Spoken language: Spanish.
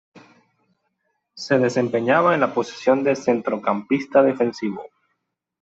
Se desempeñaba en la posición de centrocampista defensivo.